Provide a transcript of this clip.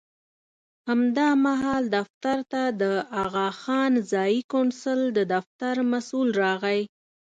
همدا مهال دفتر ته د اغاخان ځایي کونسل د دفتر مسوول راغی.